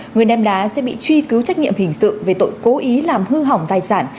người ném đá sẽ bị truy cứu trách nhiệm hình sự về tội cố ý làm hư hỏng tài sản